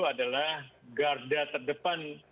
adalah garda terdepan